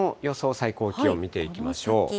最高気温、見ていきましょう。